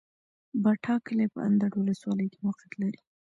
باټا کلی په اندړ ولسوالۍ کي موقعيت لري